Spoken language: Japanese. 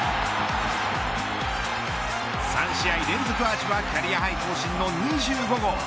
３試合連続アーチはキャリアハイ更新の２５号。